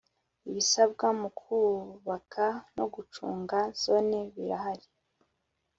ibisabwa mu kubaka no gucunga Zone birahari.